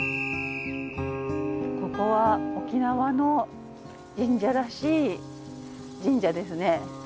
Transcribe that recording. ここは沖縄の神社らしい神社ですね。